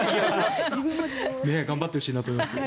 頑張ってほしいと思いますけど。